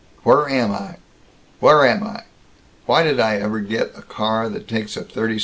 Where am I, where am I? Why did I ever get a car that takes a 36 × 6?"